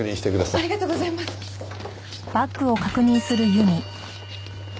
ありがとうございます。